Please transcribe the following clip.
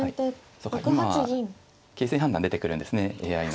そうか今は形勢判断出てくるんですねＡＩの。